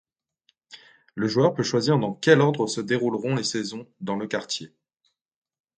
Le joueur peut choisir dans quel ordre se dérouleront les saisons, dans le quartier.